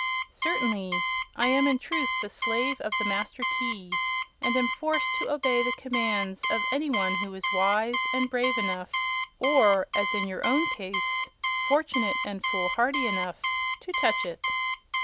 "Certainly. I am, in truth, the Slave of the Master Key, and am forced to obey the commands of any one who is wise and brave enough or, as in your own case, fortunate and fool hardy enough to touch it."